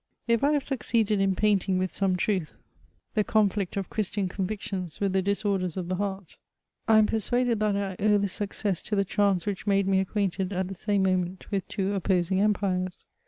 If I have succeeded in painting with some truth the conflict CHATEAUBRIAND. 97 of Chrisdaa oonvictions with the diaorders of the heart, I am persuaded that I owe this success to the chance which made me acquainted, at the same moment, with two opposing empires.